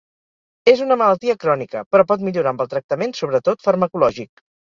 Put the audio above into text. És una malaltia crònica però pot millorar amb el tractament, sobretot farmacològic.